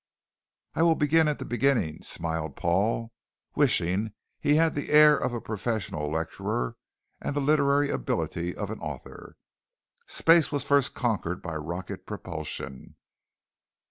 "I will begin at the beginning," smiled Paul, wishing he had the air of a professional lecturer and the literary ability of an author, "space was first conquered by rocket propulsion.